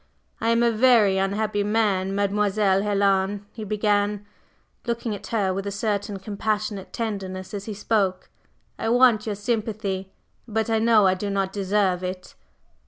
"I am a very unhappy man, Mademoiselle Helen," he began, looking at her with a certain compassionate tenderness as he spoke. "I want your sympathy, but I know I do not deserve it."